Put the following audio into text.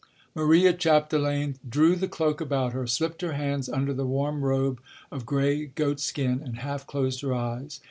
Maria Chapdelaine drew the cloak about her, slipped her hands under the warm robe of gray goat skin and half closed her eyes.